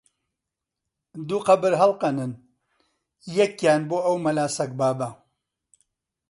-دوو قەبر هەڵقەنن، یەکیان بۆ ئەو مەلا سەگبابە!